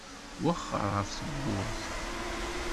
Wexxer ɣef tewwurt.